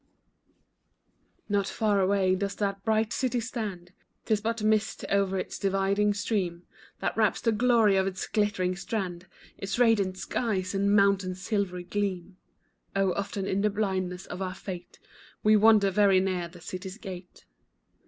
Not far away does that bright city stand, 'Tis but the mist o'er its dividing stream, That wraps the glory of its glitt'ring strand, Its radiant skies, and mountains silvery gleam; Oh, often in the blindness of our fate We wander very near the city's gate.